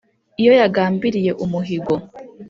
Iyo yagambiliye umuhigo